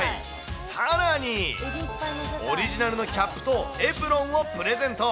さらに、オリジナルのキャップとエプロンをプレゼント。